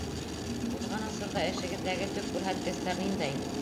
— Уҙған осорҙа эшегеҙҙәге төп күрһәткестәр ниндәй?